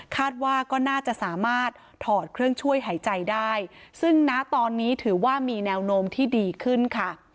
คาดว่าก็น่าจะสามารถถอดเครื่องช่วยหายใจได้ซึ่งนะตอนนี้ถือว่ามีแนวโน้มที่ดีขึ้นค่ะ